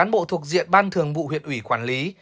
bàn thường vụ huyện ủy quản lý